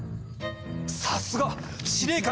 さすが！司令官！